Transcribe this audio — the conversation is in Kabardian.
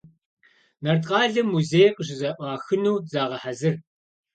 Нарткъалъэ музей къыщызэӏуахыну загъэхьэзыр.